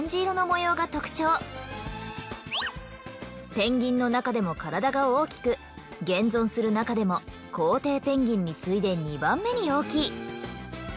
ペンギンのなかでも体が大きく現存するなかでもコウテイペンギンに次いで２番目に大きい。